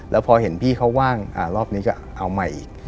แล้วพอเห็นพี่เขาว่างรอบนี้ก็เอาใหม่อีก